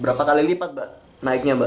berapa kali lipat mbak naiknya mbak